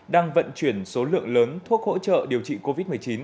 đang vận chuyển số lượng lớn thuốc hỗ trợ điều trị covid một mươi chín